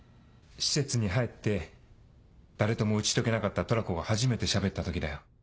施設に入って誰とも打ち解けなかったトラコが初めてしゃべった時だよ。